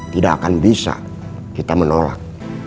tidak akan bisa kita menolak